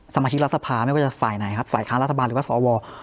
สมาชิกรัฐสภาไม่ว่าจะฝ่ายไหนครับฝ่ายค้ารัฐบาลหรือว่าสว